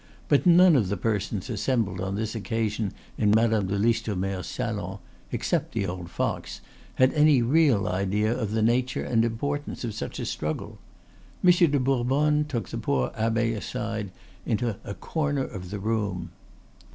But none of the persons assembled on this occasion in Madame de Listomere's salon, except the old fox, had any real idea of the nature and importance of such a struggle. Monsieur de Bourbonne took the poor abbe aside into a corner of the room.